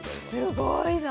すごいなあ！